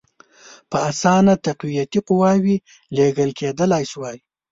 په اسانه تقویتي قواوي لېږل کېدلای سوای.